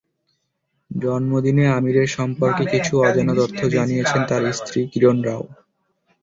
জন্মদিনে আমিরের সম্পর্কে কিছু অজানা তথ্য জানিয়েছেন তাঁর স্ত্রী কিরণ রাও।